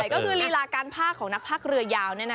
ก็คือลีลาการภาคของนักภาคเรือยาว